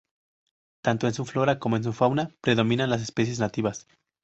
Tanto en su flora como en su fauna predominan las especies nativas.